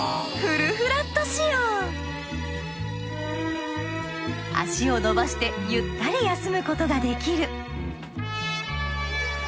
足を伸ばしてゆったり休むことができる。